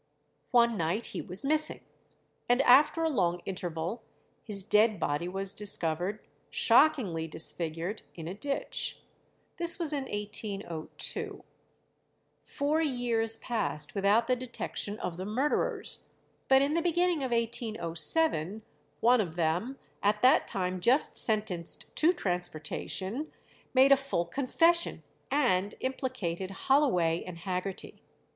One night he was missing, and after a long interval his dead body was discovered, shockingly disfigured, in a ditch. This was in 1802. Four years passed without the detection of the murderers, but in the beginning of 1807 one of them, at that time just sentenced to transportation, made a full confession, and implicated Holloway and Haggerty.